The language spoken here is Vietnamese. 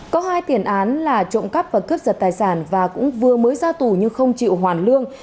có hai tiền án là trộm cắp và cướp giật tài sản và cũng vừa mới ra tù nhưng không chịu hoàn lương